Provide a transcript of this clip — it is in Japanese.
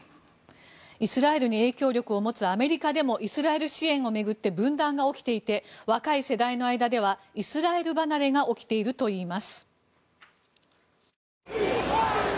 イスラエルに影響力を持つアメリカでもイスラエル支援を巡って分断が起きていて若い世代の間ではイスラエル離れが起きているといいます。